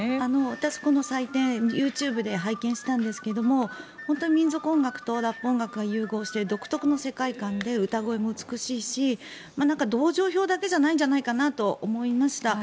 私、この祭典ＹｏｕＴｕｂｅで拝見したんですけど本当に民族音楽とラップ音楽が融合している独特の世界観で歌声も美しいし同情票だけじゃないんじゃないかなと思いました。